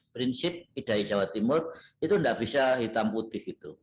prinsip idai jawa timur itu tidak bisa hitam putih gitu